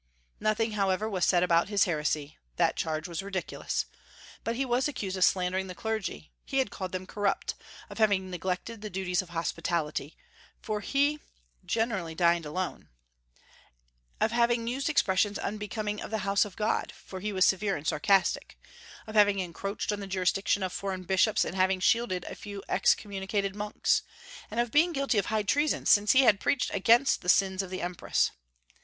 Nothing, however, was said about his heresy: that charge was ridiculous. But he was accused of slandering the clergy he had called them corrupt; of having neglected the duties of hospitality, for he dined generally alone; of having used expressions unbecoming of the house of God, for he was severe and sarcastic; of having encroached on the jurisdiction of foreign bishops in having shielded a few excommunicated monks; and of being guilty of high treason, since he had preached against the sins of the empress.